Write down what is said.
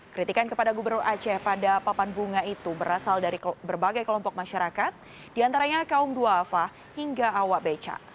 kritikan kepada gubernur aceh pada papan bunga itu berasal dari berbagai kelompok masyarakat diantaranya kaum duafa hingga awab echa